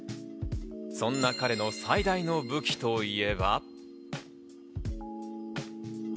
そんな彼の最大の武器といえば。